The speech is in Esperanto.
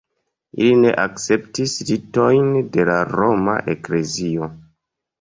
Ili ne akceptis la ritojn de la Roma eklezio.